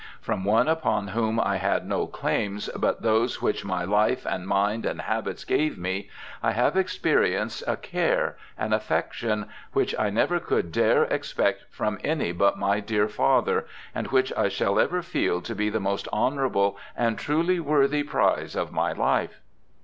From one upon whom I had no clamis but those which my life and mind and habits gave me, I have expe rienced a care, an affection which I never could dare expect from any but my dear father, and which I shall ever feel to be the most honourable and truly worthy prize of my life.'